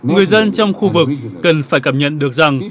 người dân trong khu vực cần phải cảm nhận được rằng